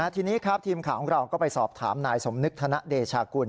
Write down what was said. ทีนี้ครับทีมข่าวของเราก็ไปสอบถามนายสมนึกธนเดชากุล